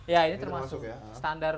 ya ini termasuk standar